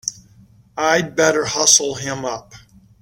I'd better hustle him up!